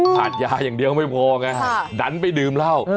ขาดยาอย่างเดียวไม่พอไงดันไปดื่มเหล้า